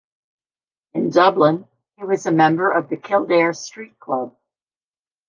In Dublin, he was a member of the Kildare Street Club.